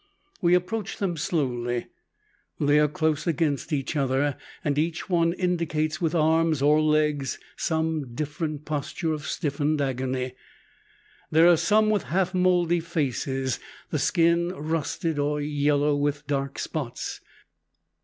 We approach them slowly. They are close against each other, and each one indicates with arms or legs some different posture of stiffened agony. There are some with half moldy faces, the skin rusted, or yellow with dark spots.